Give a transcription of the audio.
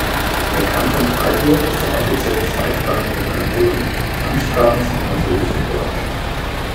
Der Kanton Freiburg ist ein offiziell zweisprachiger Kanton, Amtssprachen sind Französisch und Deutsch.